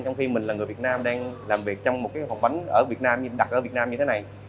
trong khi mình là người việt nam đang làm việc trong một cái phòng bánh đặt ở việt nam như thế này